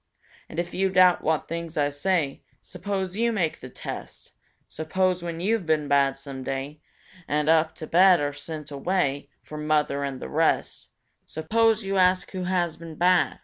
And if you doubt what things I say, Suppose you make the test; Suppose, when you've been bad some day And up to bed are sent away From mother and the rest— Suppose you ask, Who has been bad?"